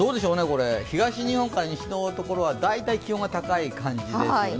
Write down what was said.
東日本から西のところは大体気温が高い感じですよね。